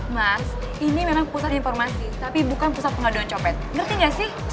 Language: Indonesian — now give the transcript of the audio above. mas ini memang pusat informasi tapi bukan pusat pengaduan copet ngerti gak sih